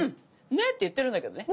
「ね」って言ってるんだけどね